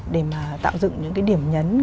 để mà tạo dựng những cái điểm nhấn